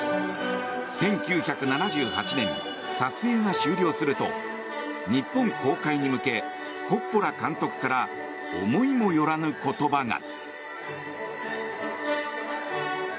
１９７８年、撮影が終了すると日本公開に向けコッポラ監督から思いもよらぬ言葉が。